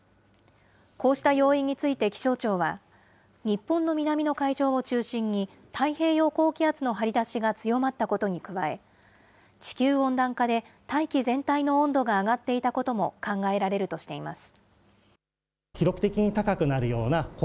こうした要因について気象庁は、日本の南の海上を中心に、太平洋高気圧の張り出しが強まったことに加え、地球温暖化で大気全体の温度が上がっていたことも考えられるとしています。